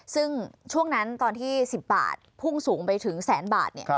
ซึ่งช่วงนั้นตอนที่๑๐บาทพุ่งสูงไปถึงแสนบาท